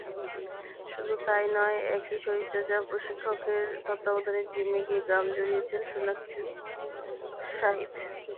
শুধু তা-ই নয়, একই শরীরচর্চা প্রশিক্ষকের তত্ত্বাবধানে জিমে গিয়ে ঘাম ঝরিয়েছেন সোনাক্ষী-শাহিদ।